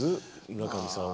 村上さんは。